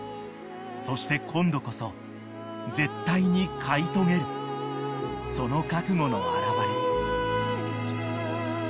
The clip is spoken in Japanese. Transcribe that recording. ［そして今度こそ絶対に飼い遂げるその覚悟の表れ］